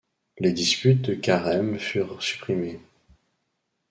Les disputes de Carême furent supprimés.